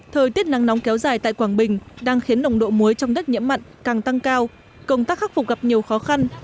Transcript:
thời tiết nắng nóng kéo dài tại quảng bình đang khiến nồng độ muối trong đất nhiễm mặn càng tăng cao công tác khắc phục gặp nhiều khó khăn